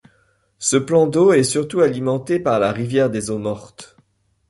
Ce plan d’eau est surtout alimenté par la rivière des Eaux Mortes.